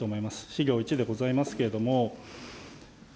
資料１でございますけれども。